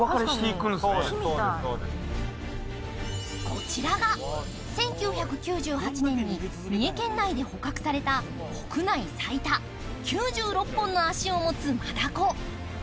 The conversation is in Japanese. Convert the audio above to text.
こちらが１９９８年に三重県内で捕獲された国内最多９６本の足を持つマダコ。